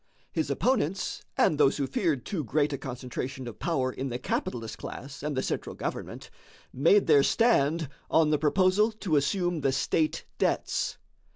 His opponents and those who feared too great a concentration of power in the capitalist class and the central government made their stand on the proposal to assume the state debts.